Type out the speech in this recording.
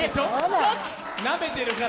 なめてるから。